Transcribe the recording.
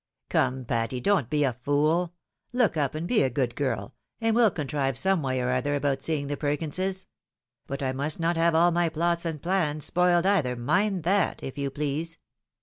" Come, Patty, don't be a fool ! Look up, and be a good girl, and we'U contrive some way or other about seeing the Perkinses. But I must not have all my plots and plans spoiled either, mind that, if you please."